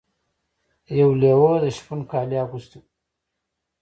یو لیوه د شپون کالي اغوستي وو.